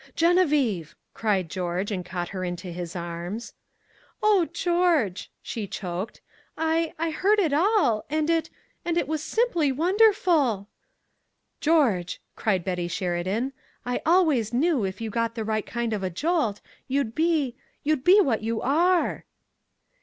"Geneviève!" cried George, and caught her into his arms. "Oh, George," she choked. "I I heard it all and it it was simply wonderful!" "George," cried Betty Sheridan, "I always knew, if you got the right kind of a jolt, you'd be you'd be what you are!" E.